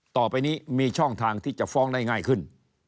ต่อไปนี้มีช่องทางที่จะฟ้องได้ง่ายขึ้น